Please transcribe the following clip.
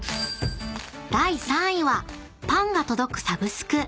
［第３位はパンが届くサブスク。